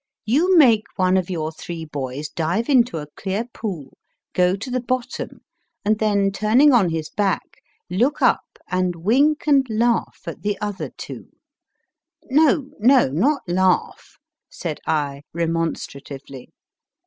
You make one of your three boys dive into a clear pool, go to the bottom, and then, turning on his back, look up and wink and laugh at the other two. No, no, not " laugh" said I, remonstratively.